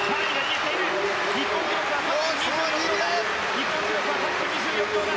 日本記録は３分２４秒台。